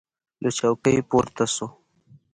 له چوکۍ پورته سو.